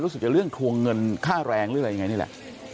รู้สึกจะเรื่องทวงเงินค่าแรงหรืออะไรยังไงนี่แหละ